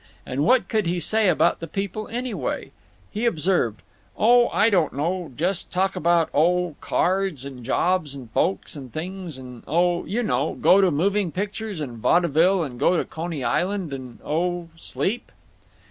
And what could he say about the people, anyway? He observed: "Oh, I don't know—just talk about—oh, cards and jobs and folks and things and—oh, you know; go to moving pictures and vaudeville and go to Coney Island and—oh, sleep."